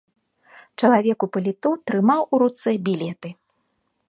Чалавек у паліто трымаў у руцэ білеты.